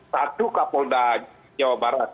satu kapolda jawa barat